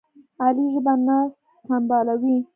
علي ژبه نه سنبالوي.